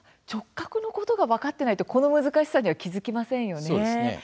直角のことが分かっていないとこの難しさには気付きませんね。